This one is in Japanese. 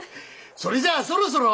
それじゃそろそろ。